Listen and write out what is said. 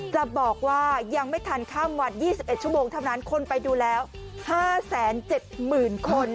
จะบอกว่ายังไม่ทันข้ามวันยี่สิบเอ็ดชั่วโมงเท่านั้นคนไปดูแล้วห้าแสนเจ็ดหมื่นคน